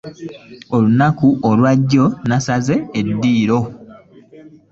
Olunaku lwa jjo lwe nasaze eddiiro.